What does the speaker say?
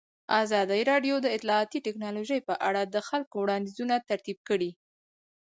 ازادي راډیو د اطلاعاتی تکنالوژي په اړه د خلکو وړاندیزونه ترتیب کړي.